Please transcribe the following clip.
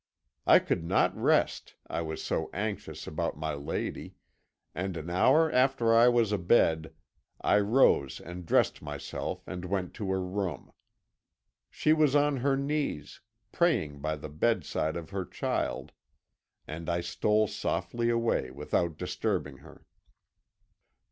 "I could not rest, I was so anxious about my lady, and an hour after I was abed, I rose and dressed myself and went to her room. She was on her knees, praying by the bedside of her child, and I stole softly away without disturbing her.